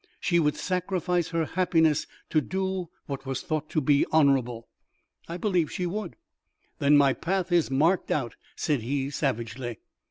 She would sacrifice her happiness to do what was thought to be honourable." "I believe she would." "Then my path is marked out," said he, savagely.